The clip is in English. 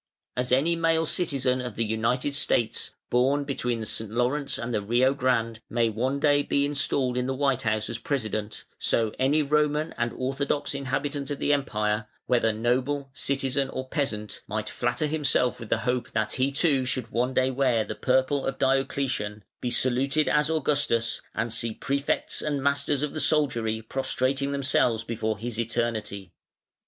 As any male citizen of the United States, born between the St. Lawrence and the Rio Grande, may one day be installed in the White House as President, so any "Roman" and orthodox inhabitant of the Empire, whether noble, citizen, or peasant, might flatter himself with the hope that he too should one day wear the purple of Diocletian, be saluted as Augustus, and see Prefects and Masters of the Soldiery prostrating themselves before "His Eternity".